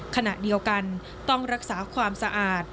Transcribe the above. ขณะเดียวกันต้องรักษาความสะอาด